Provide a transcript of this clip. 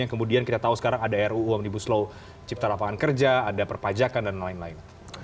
yang kemudian kita tahu sekarang ada ruu omnibus law cipta lapangan kerja ada perpajakan dan lain lain